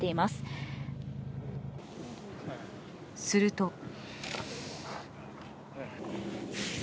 すると。